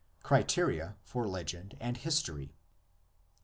CRITERIA FOR LEGEND AND HISTORY.